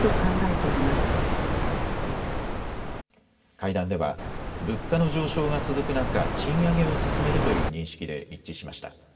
会談では物価の上昇が続く中、賃上げを進めるという認識で一致しました。